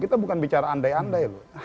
kita bukan bicara andai andai loh